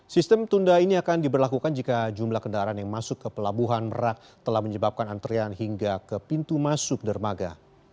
sistem tunda ini akan diberlakukan jika jumlah kendaraan yang masuk ke pelabuhan merak telah menyebabkan antrian hingga ke pintu masuk dermaga